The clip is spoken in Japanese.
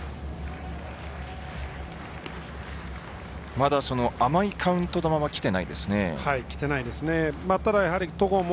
まだ甘いカウント球はきていないですね。